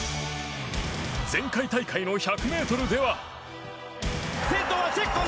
前回大会の１００ｍでは。